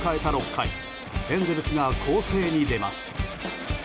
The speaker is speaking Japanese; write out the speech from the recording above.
６回エンゼルスが攻勢に出ます。